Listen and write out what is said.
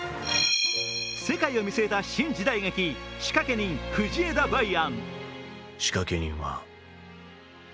世界を見据えた新時代劇「仕掛人・藤枝梅安」。